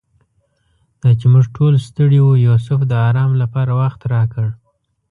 دا چې موږ ټول ستړي وو یوسف د آرام لپاره وخت راکړ.